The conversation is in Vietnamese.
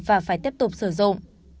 và phải tiếp tục sử dụng